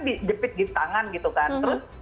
di jepit jepit tangan gitu kan terus